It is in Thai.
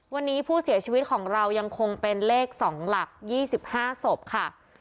วันนี้ผู้เสียชีวิตของเรายังคงเป็นเลข๒หลัก๒๕ศพค่ะ